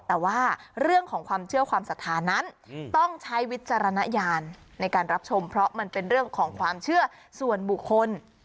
แต่ว่าเรื่องของความเชื่อความศรัทธานั้นต้องใช้วิจารณญาณในการรับชมเพราะมันเป็นเรื่องของความเชื่อส่วนบุคคล